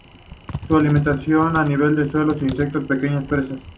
Se alimenta a nivel del suelo de insectos y pequeñas presas.